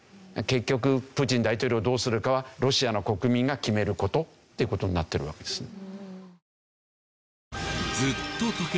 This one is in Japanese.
結局プーチン大統領をどうするかはロシアの国民が決める事という事になってるわけです。